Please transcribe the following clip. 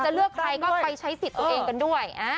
เลือกใครก็ไปใช้สิทธิ์ตัวเองกันด้วย